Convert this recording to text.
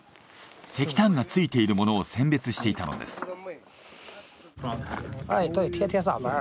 石炭がついているものを選別していたのです。